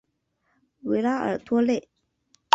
维拉尔多内。